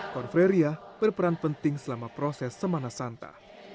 kor freyria berperan penting selama proses semana santa